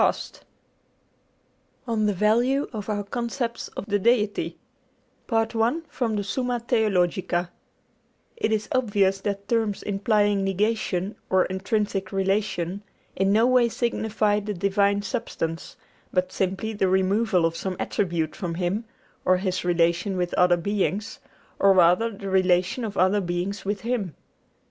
[Illustration: Signature: Edw. A. Pace] ON THE VALUE OF OUR CONCEPTS OF THE DEITY Part I From the 'Summa Theologica' It is obvious that terms implying negation or extrinsic relation in no way signify the divine substance, but simply the removal of some attribute from Him, or His relation with other beings, or rather the relation of other beings with Him.